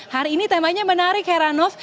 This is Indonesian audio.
hari ini temanya menarik heranov